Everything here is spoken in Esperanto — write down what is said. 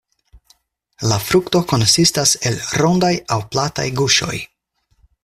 La frukto konsistas el rondaj aŭ plataj guŝoj.